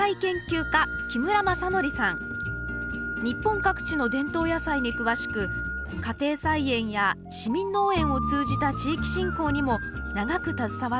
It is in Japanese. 日本各地の伝統野菜に詳しく家庭菜園や市民農園を通じた地域振興にも長く携わっています